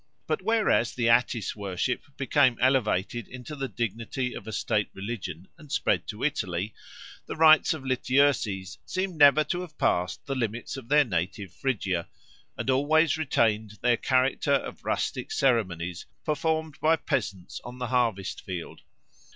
But whereas the Attis worship became elevated into the dignity of a state religion and spread to Italy, the rites of Lityerses seem never to have passed the limits of their native Phrygia, and always retained their character of rustic ceremonies performed by peasants on the harvest field.